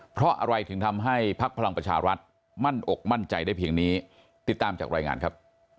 เพราะอะไรถึงทำให้ภักดิ์พลังประชารัฐมั่นอกมั่นใจได้เพียงนี้ติดตามจากรายงานครับ